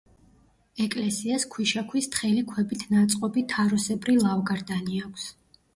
ეკლესიას ქვიშაქვის თხელი ქვებით ნაწყობი თაროსებრი ლავგარდანი აქვს.